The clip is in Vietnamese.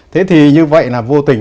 thế thì như vậy là vô tình